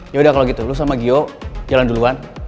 yaudah kalo gitu lo sama gio jalan duluan